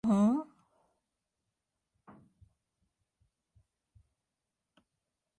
中興公園